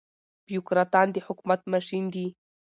بيوکراتان د حکومت ماشين دي.